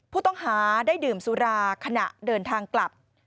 ผู้ต้องหาได้ดื่มสุราขณะเดินทางกลับ